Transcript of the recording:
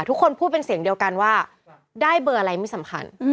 ทุกคนพูดเป็นเสียงเดียวกันว่าได้เบอร์อะไรไม่สำคัญ